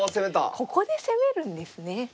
ここで攻めるんですね。